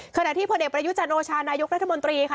ขณะที่พลเอกประยุจันโอชานายกรัฐมนตรีค่ะ